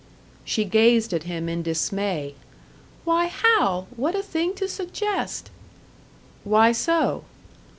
She gazed at him in dismay. "Why, Hal! What a thing to suggest!" "Why so?"